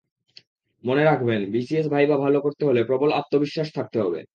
মনে রাখবেন, BCS viva ভালো করতে হলে প্রবল আত্মবিশ্বাস থাকতে হবে।